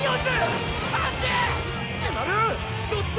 どっちだ！？